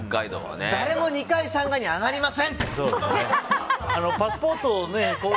誰も２階、３階に上がりません。